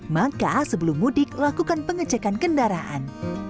maka sebelum mudik lakukan pengecekan kendaraan